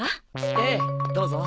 ええどうぞ。